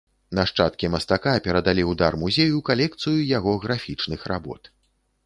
Нашчадкі мастака перадалі ў дар музею калекцыю яго графічных работ.